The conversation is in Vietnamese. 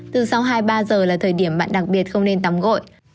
từ sau hai ba giờ là thời điểm bạn đặc biệt không nên tắm gội